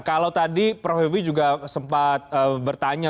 kalau tadi prof hewi juga sempat bertanya